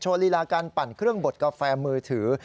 ลีลาการปั่นเครื่องบดกาแฟมือถือ